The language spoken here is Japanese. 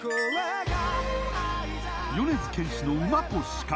米津玄師の「馬と鹿」